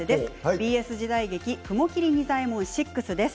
ＢＳ時代劇「雲霧仁左衛門６」です。